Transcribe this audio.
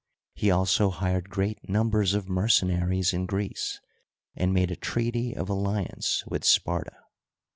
He also hired great numbers of mercenaries in Greece and made a treaty of alliance with Sparta.